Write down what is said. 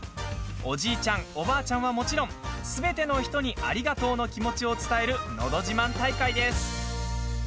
おじいちゃん、おばあちゃんはもちろんすべての人にありがとうの気持ちを伝える「のど自慢大会」です。